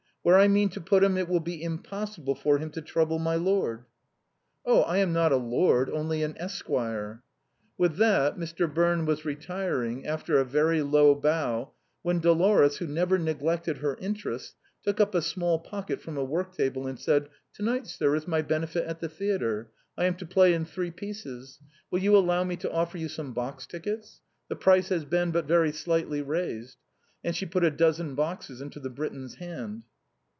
Where I mean to put him it will be impossible for him to trouble milord." "Oh ! I am not a lord ; only an esquire." With that Mr. Bime was retiring, after a very low bow, when Dolores, who never neglected her interests, took up a small packet from a work table, and said :" To night, sir, is my benefit at the theatre ; I am to play in three pieces. Will you allow me to offer you some box tickets ? The price has been but very slightly raised ;" and she put a dozen boxes into the Briton's hand.